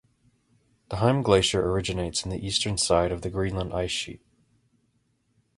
The Heim Glacier originates in the Eastern side of the Greenland Ice Sheet.